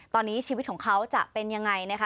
ตอนนี้ชีวิตของเขาจะเป็นยังไงนะคะ